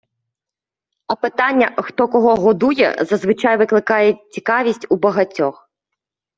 А питання «хто кого годує» зазвичай викликає цікавість у багатьох.